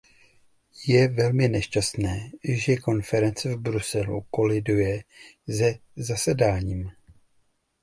Je velmi nešťastné, že konference v Bruselu koliduje se zasedáním.